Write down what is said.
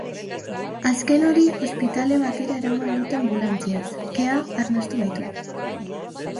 Azken hori ospitale batera eraman dute anbulantziaz, kea arnastu baitu.